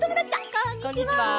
こんにちは！